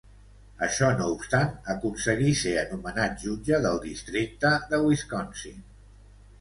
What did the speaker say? Això no obstant, aconseguí ser anomenat jutge del districte de Wisconsin.